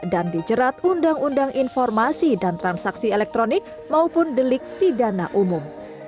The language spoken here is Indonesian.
dan dijerat undang undang informasi dan transaksi elektronik maupun delik pidana umum